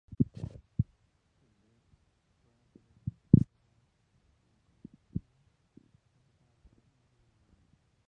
De Lesseps fue anteriormente enfermera en Connecticut, así como modelo de Wilhelmina.